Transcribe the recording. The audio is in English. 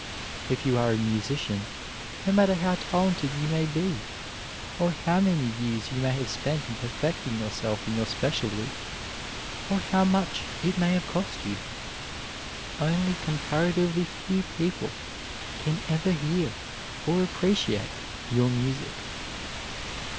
If you are a musician, no matter how talented you may be, or how many years you may have spent in perfecting yourself in your specialty, or how much it may have cost you, only comparatively few people can ever hear or appreciate your music.